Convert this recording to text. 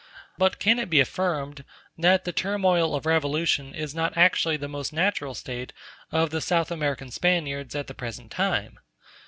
But can it be affirmed that the turmoil of revolution is not actually the most natural state of the South American Spaniards at the present time?